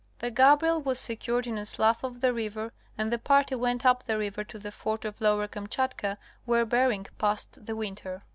—The Gabriel was secured in a slough of the river and the party went up the river to the fort of Lower Kamchatka where Bering passed the winter.